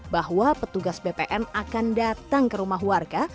bahwa petugas bpm akan datang ke rumah warga